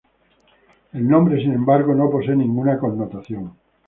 El nombre, sin embargo, no posee ninguna connotación.